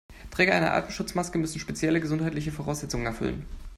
Träger einer Atemschutzmaske müssen spezielle gesundheitliche Voraussetzungen erfüllen.